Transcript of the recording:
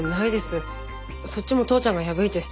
そっちも父ちゃんが破いて捨てました。